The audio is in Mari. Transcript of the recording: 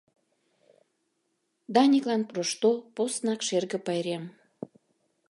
Даниклан Рошто поснак шерге пайрем.